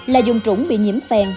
là dùng trủng bị nhiễm phèn